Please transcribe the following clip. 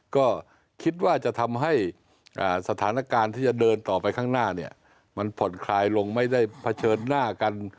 ก็คิดว่าจะทำให้สถานการณ์ที่จะเดินต่อไปข้างหน้าเนี่ยมันผ่อนคลายลงไม่ได้เผชิญหน้ากัน